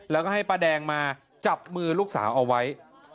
แล้วก็ให้ป้าแดงมาจับมือลูกสาวเอาไว้